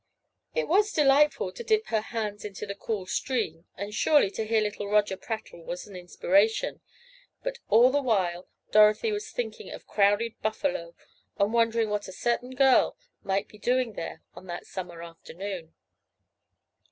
It was delightful to dip her hands into the cool stream and surely to hear little Roger prattle was an inspiration, but all the while Dorothy was thinking of crowded Buffalo, and wondering what a certain girl might be doing there on that summer afternoon.